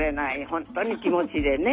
本当に気持ちでね。